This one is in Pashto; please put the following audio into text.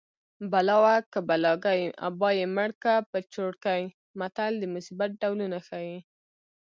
بلا وه که بلاګۍ ابا یې مړکه په چوړکۍ متل د مصیبت ډولونه ښيي